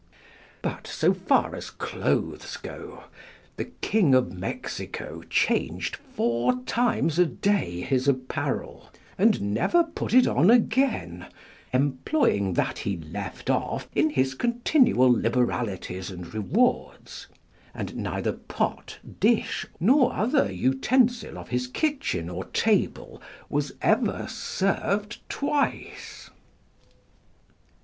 But, so far as clothes go, the King of Mexico changed four times a day his apparel, and never put it on again, employing that he left off in his continual liberalities and rewards; and neither pot, dish, nor other utensil of his kitchen or table was ever served twice.